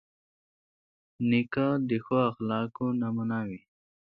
نیکه د ښو اخلاقو نمونه وي.